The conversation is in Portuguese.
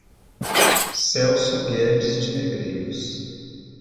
Celso Guedes de Negreiros